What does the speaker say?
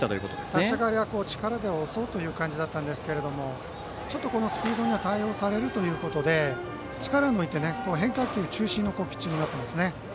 立ち上がりは力で押そうという感じだったんですけれどもちょっとスピードには対応されるということで力を抜いて変化球中心のピッチングになっていますね。